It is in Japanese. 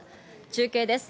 中継です。